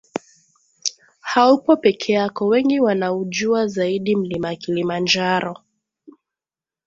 Haupo pekee yako Wengi wanaujua zaidi Mlima Kilimanjaro